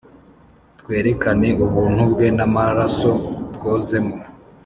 twerekane ubuntu bwe n'amaraso twozemo.